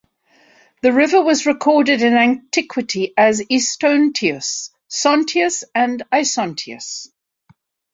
The river was recorded in antiquity as "Aesontius", "Sontius", and "Isontius".